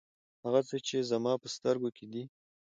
هغه څه چې زما په سترګو کې دي.